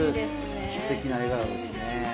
すてきな笑顔ですね。